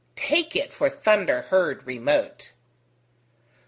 "Take it for thunder heard remote."